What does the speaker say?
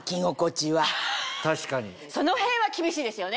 その辺は厳しいですよね？